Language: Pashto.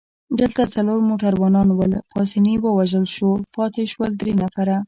دلته څلور موټروانان ول، پاسیني ووژل شو، پاتې شول درې نفره.